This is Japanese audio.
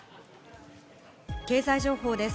経済情報です。